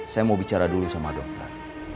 saya mau bicara dulu sama dokter